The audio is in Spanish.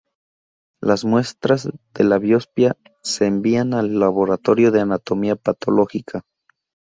Las muestras de la biopsia se envían al laboratorio de anatomía patológica.